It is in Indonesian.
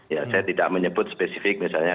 ya saya tidak menyebut spesifik misalnya